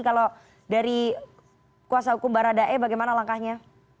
kalau dari kuasa hukum baradae bagaimana langkahnya